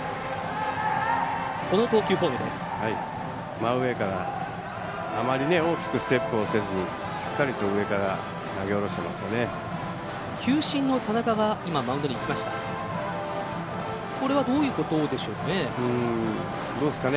真上からあまり大きくステップをせずにしっかりと上から投げ下ろしてますね。